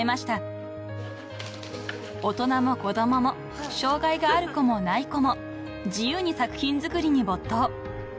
［大人も子どもも障害がある子もない子も自由に作品作りに没頭］